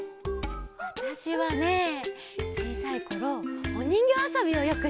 わたしはねちいさいころおにんぎょうあそびをよくしてたな。